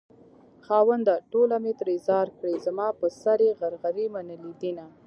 خاونده ټوله مې ترې ځار کړې زما په سر يې غرغرې منلي دينه